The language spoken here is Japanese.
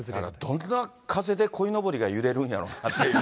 どんな風でこいのぼりが揺れるんやろうなって。